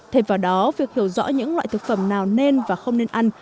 thêm vào đó việc hiểu rõ những loại thực phẩm nào nên và không nên ăn